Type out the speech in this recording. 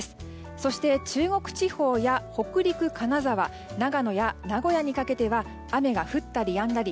そして、中国地方や北陸、金沢長野や名古屋にかけては雨が降ったりやんだり。